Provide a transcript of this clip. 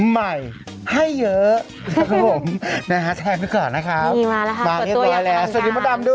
ใหม่ให้เยอะเทมด้วยก่อนนะครับตัวอยากกำลังกาลสวัสดีพ่อดำด้วย